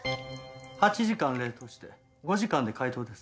８時間冷凍して５時間で解凍です。